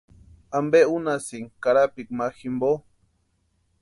¿Ampe únhasïnki karapikwa ma jimpo?